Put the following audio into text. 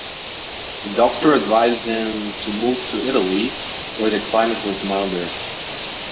The doctor advised him to move to Italy, where the climate was milder.